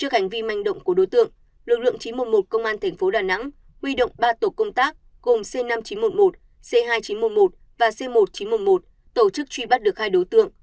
trước hành vi manh động của đối tượng lực lượng chín trăm một mươi một công an tp đà nẵng huy động ba tổ công tác gồm c năm nghìn chín trăm một mươi một c hai nghìn chín trăm một mươi một và c một nghìn chín trăm một mươi một tổ chức truy bắt được hai đối tượng